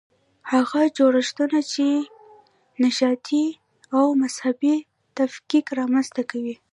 هغه جوړښتونه چې نژادي او مذهبي تفکیک رامنځته کوي.